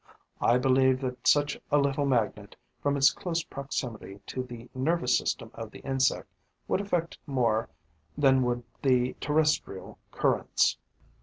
I believe that such a little magnet, from its close proximity to the nervous system of the insect, would affect it more than would the terrestrial currents.'